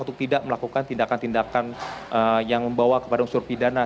untuk tidak melakukan tindakan tindakan yang membawa kepada unsur pidana